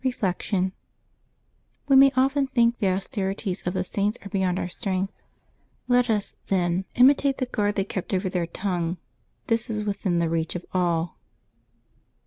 Reflection. — We may often think the austerities of the Saints are beyond our strength; let us, then, imitate the 386 LIYE8 OF TEE SAINTS [Decembeb 25 guard they kept over their tongue. This is within the reach of all.